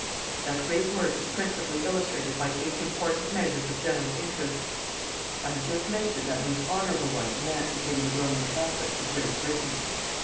That great work is principally illustrated by eight important measures of general interest. I have just mentioned that most honourable one emancipating the Roman Catholics of Great Britain.